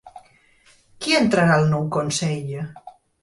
Qui entrarà al nou Consell?